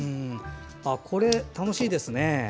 これ、楽しいですね。